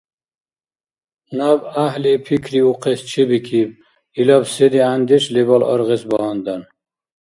Наб гӀяхӀли пикриухъес чебикиб, илаб се дигӀяндеш лебал аргъес багьандан.